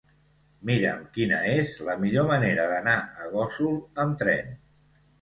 Mira'm quina és la millor manera d'anar a Gósol amb tren.